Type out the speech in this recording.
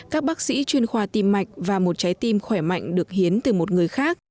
các bác sĩ chuyên khoa tim mạch và một trái tim khỏe mạnh được hiến từ một người khác